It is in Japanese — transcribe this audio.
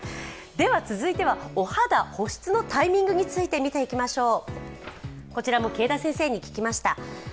続いてはお肌、保湿のタイミングについて見ていきましょう。